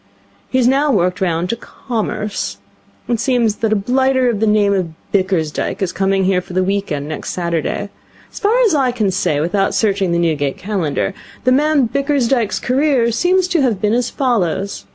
He has now worked round to Commerce. It seems that a blighter of the name of Bickersdyke is coming here for the week end next Saturday. As far as I can say without searching the Newgate Calendar, the man Bickersdyke's career seems to have been as follows.